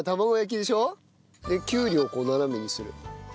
きゅうりをこう斜めにする。